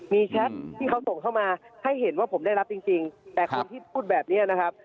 มีแชทที่เขาส่งเข้ามาให้เห็นว่าผมได้รับจริงแต่คนที่พูดแบบนี้นะครับ